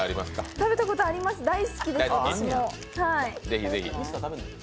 食べたことあります、大好きです、私も。